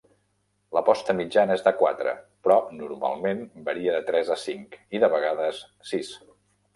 La posta mitjana és de quatre, però normalment varia de tres a cinc i, de vegades, sis.